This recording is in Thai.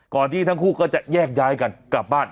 ที่ทั้งคู่ก็จะแยกย้ายกันกลับบ้าน